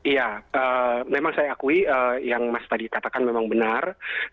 ya memang saya akui yang mas tadi katakan memang benar